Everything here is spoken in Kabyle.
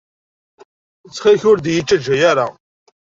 Ttxil-k ur d-iyi-ttaǧǧa ara.